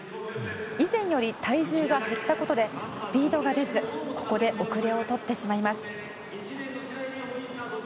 以前より体重が減ったことでスピードが出ずここで後れを取ってしまいます。